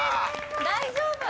大丈夫！